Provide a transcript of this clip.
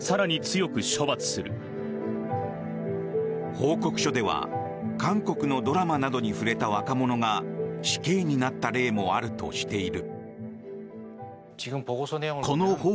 報告書では韓国のドラマなどに触れた若者が死刑になった例もあるとしている。